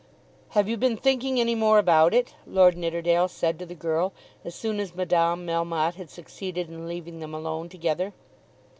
"Have you been thinking any more about it?" Lord Nidderdale said to the girl as soon as Madame Melmotte had succeeded in leaving them alone together.